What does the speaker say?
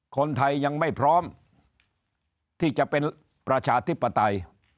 คนไทยยังไม่พร้อมที่จะเป็นประชาธิปไตย